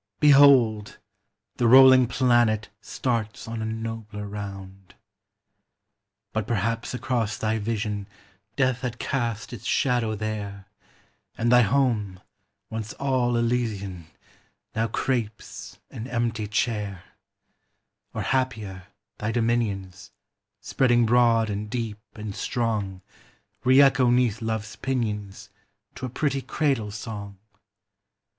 Behold! the rolling planet Starts on a nobler round. But perhaps across thy vision Death had cast its shadow there, And thy home, once all elysian, Now crapes an empty chair; Or happier, thy dominions, Spreading broad and deep and strong, Re echo 'neath love's pinions To a pretty cradle song!